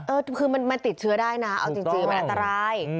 เออคือมันติดเชื้อได้นะเอาจริงมันอันตราย